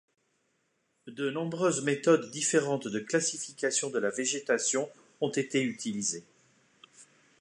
De nombreuses méthodes différentes de classification de la végétation ont été utilisées.